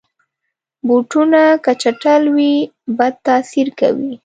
بوټونه که چټل وي، بد تاثیر کوي.